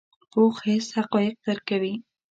پوخ حس حقایق درک کوي